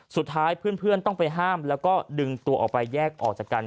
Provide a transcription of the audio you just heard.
สุดท้ายเพื่อนต้องไปห้ามแล้วก็ดึงตัวออกไปแยกออกจากกัน